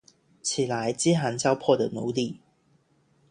起来，饥寒交迫的奴隶！